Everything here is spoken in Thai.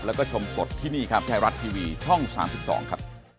แล้วก็ชมสดที่นี่ครับไทยรัสทีวีช่องสามสิบสองครับ